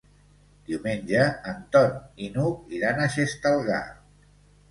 Diumenge en Ton i n'Hug iran a Xestalgar.